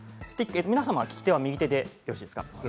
皆さん、利き手は右手でよろしいですか。